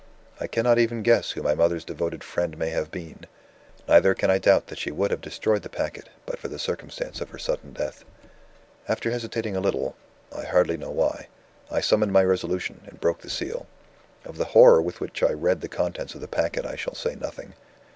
"I cannot even guess who my mother's devoted friend may have been. Neither can I doubt that she would have destroyed the packet, but for the circumstance of her sudden death. "After hesitating a little I hardly know why I summoned my resolution, and broke the seal. Of the horror with which I read the contents of the packet I shall say nothing.